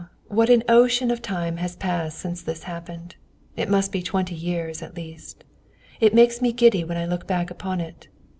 what an ocean of time has passed since this happened. It must be twenty years, at least. It makes me giddy when I look back upon it.